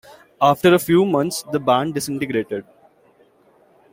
After a few months the band disintegrated.